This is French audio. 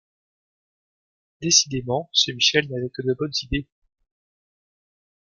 Décidément, ce Michel n’avait que de bonnes idées.